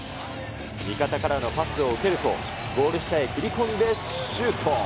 味方からのパスを受けると、ゴール下へ切り込んでシュート。